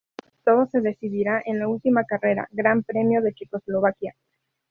Todo se decidirá en la última carrera: Gran Premio de Checoslovaquia.